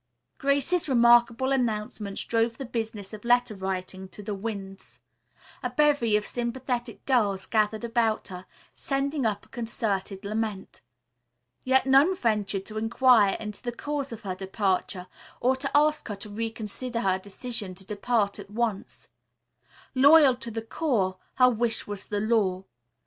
Grace's remarkable announcement drove the business of letter writing to the winds. A bevy of sympathetic girls gathered about her, sending up a concerted lament. Yet none ventured to inquire into the cause of her departure, or to ask her to reconsider her decision to depart at once. Loyal to the core, her wish was their law.